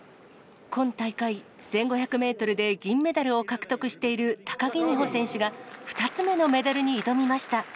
今大会、１５００メートルで銀メダルを獲得している高木美帆選手が、２つ目のメダルに挑みました。